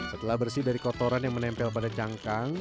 setelah bersih dari kotoran yang menempel pada cangkang